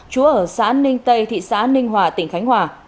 chú ở xã ninh tây thị xã ninh hòa tỉnh khánh hòa